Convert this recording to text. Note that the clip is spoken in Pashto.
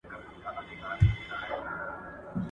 دا کالي له هغو پاک دي!